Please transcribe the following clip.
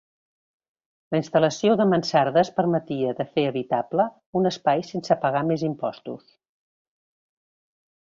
La instal·lació de mansardes permetia de fer habitable un espai sense pagar més imposts.